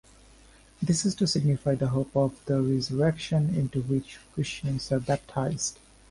This is to signify the hope of the resurrection into which Christians are baptised.